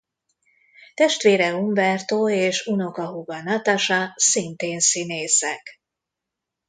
Testvére Humberto és unokahúga Natasha szintén színészek.